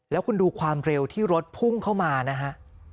แล้วคุณดูความเร็วที่รถพุ่งเข้ามานะฮะ